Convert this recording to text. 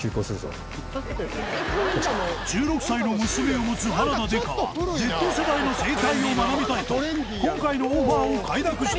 １６歳の娘を持つ原田デカは Ｚ 世代の生態を学びたいと今回のオファーを快諾してくれた